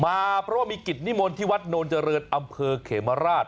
มาเพราะว่ามีกิจนิมนต์ที่วัดโนนเจริญอำเภอเขมราช